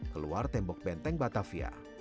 keluar tembok benteng batavia